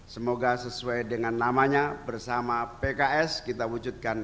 semoga sesuai dengan namanya bersama pks kita wujudkan